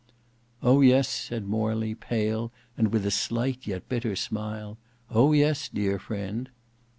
"Oh! yes," said Morley, pale and with a slight yet bitter smile. "Oh! yes; dear friend!"